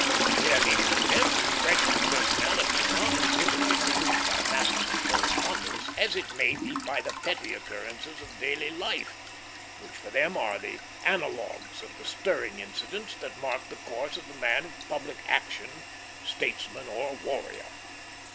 Yet even with them the impression of personality is not as vividly produced by masses of correspondence as it may be by the petty occurrences of daily life, which for them are the analogues of the stirring incidents that mark the course of the man of public action, statesman or warrior.